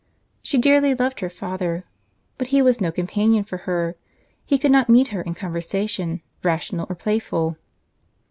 She dearly loved her father, but he was no companion for her. He could not meet her in conversation, rational or playful.